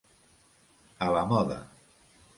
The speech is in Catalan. A la moda.